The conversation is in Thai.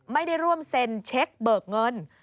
ไม่ได้ร่วมเซ็นเช็คเบิกเงิน